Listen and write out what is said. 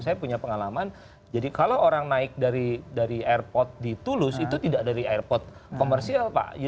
saya punya pengalaman jadi kalau orang naik dari airport di tulus itu tidak dari airport komersial pak